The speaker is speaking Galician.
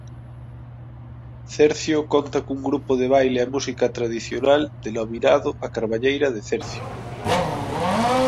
Cercio conta cun grupo de baile e música tradicional denominado A Carballeira de Cercio.